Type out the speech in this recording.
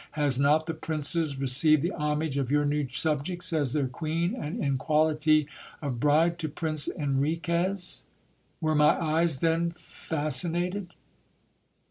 Has not the princess received the homage of your new subjects as their queen, and in quality of bride to Prince Enriquez ? Were my eyes then fasci nated